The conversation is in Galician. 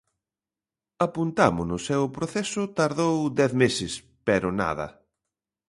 Apuntámonos e o proceso tardou dez meses, pero nada.